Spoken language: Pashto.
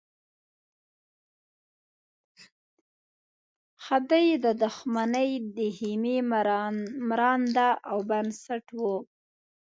خدۍ د دښمنۍ د خېمې مرانده او بنسټ وه.